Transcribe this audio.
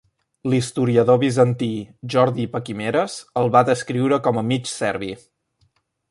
L'historiador bizantí, Jordi Paquimeres, el va descriure com a "mig serbi".